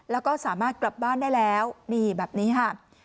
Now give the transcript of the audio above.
แล้วก็สามารถกลับบ้านได้แล้วนี่แบบนี้ค่ะ